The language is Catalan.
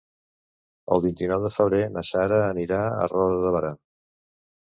El vint-i-nou de febrer na Sara anirà a Roda de Berà.